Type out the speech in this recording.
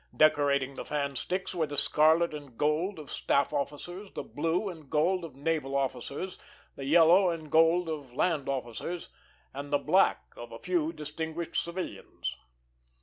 Decorating the fan sticks were the scarlet and gold of staff officers, the blue and gold of naval officers, the yellow and gold of land officers, and the black of a few distinguished civilians.